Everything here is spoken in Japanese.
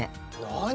何？